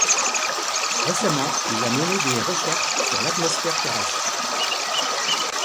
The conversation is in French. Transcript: Récemment, il a mené des recherches sur l'’atmosphère terrestre.